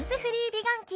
美顔器